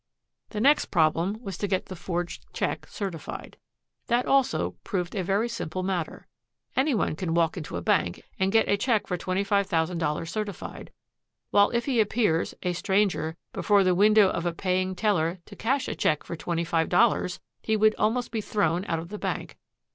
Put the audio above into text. The next problem was to get the forged check certified. That, also, proved a very simple matter. Any one can walk into a bank and get a check for $25,000 certified, while if he appears, a stranger, before the window of the paying teller to cash a check for twenty five dollars he would almost be thrown out of the bank.